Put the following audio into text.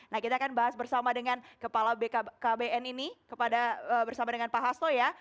nah kita akan bahas bersama dengan kepala bkkbn ini bersama dengan pak hasto ya